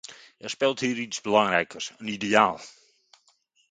Er speelt hier iets belangrijkers, een ideaal.